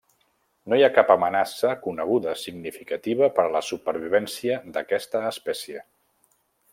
No hi ha cap amenaça coneguda significativa per a la supervivència d'aquesta espècie.